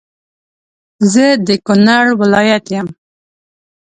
زه د کونړ ولایت يم